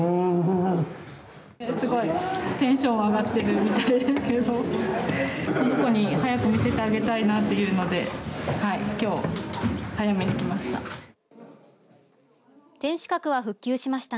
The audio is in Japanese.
テンション上がってるみたいですけどこの子に早く見せてあげたいなというのできょう、早めに来ました。